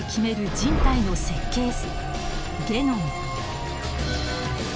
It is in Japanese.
人体の設計図ゲノム。